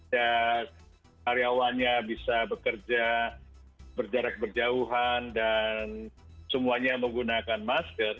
dan karyawannya bisa bekerja berjarak berjauhan dan semuanya menggunakan masker